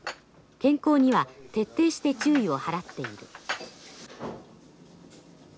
健康には徹底して注意を払っている。